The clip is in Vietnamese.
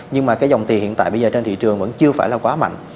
nhưng mà cái dòng tiền hiện tại bây giờ trên thị trường vẫn chưa phải là quá mạnh